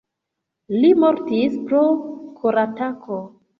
Li mortis pro koratako.